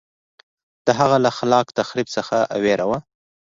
دا هغه له خلاق تخریب څخه وېره وه